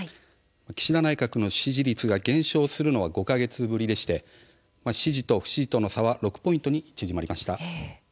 岸田内閣の支持率が減少するのは５か月ぶりで支持と不支持との差は６ポイントに縮まりました。